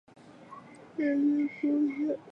日军攻陷陷港之后返回上海。